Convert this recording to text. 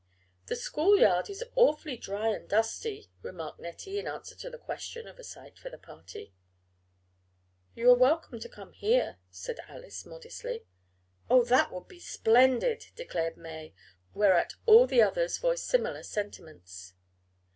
"The schoolyard is awfully dry and dusty," remarked Nettie in answer to the question of a site for the party. "You are welcome to come here," said Alice, modestly. "Oh, that would be splendid!" declared May, whereat all the others voiced similar sentiments.